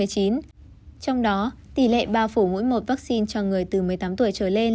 trong đó tỷ lệ bao phủ mỗi một vaccine cho người từ một mươi tám tuổi trở lên